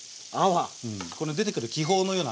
この出てくる気泡のような泡がある。